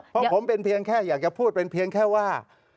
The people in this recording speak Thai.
เพราะผมเป็นเพียงแค่อยากจะพูดเป็นเพียงแค่ว่า